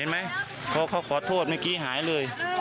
นี่เห็นมั้ยขอโทษเมื่อกี้หายเลย